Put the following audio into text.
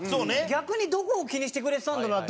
逆にどこを気にしてくれてたんだろうな？